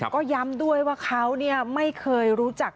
ก็ย้ำด้วยว่าเขาไม่เคยรู้จัก